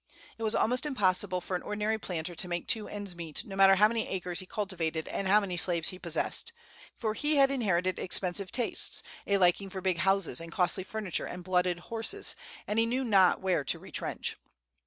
It was almost impossible for an ordinary planter to make two ends meet, no matter how many acres he cultivated and how many slaves he possessed; for he had inherited expensive tastes, a liking for big houses and costly furniture and blooded horses, and he knew not where to retrench.